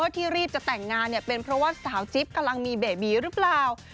ที่รีบจะแต่งงานเนี่ยเป็นเพราะว่าสาวจิ๊บกำลังมีเบบีหรือเปล่า